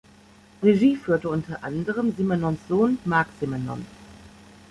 Regie führte unter anderem Simenons Sohn Marc Simenon.